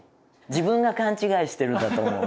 自分が勘違いしてるんだと思う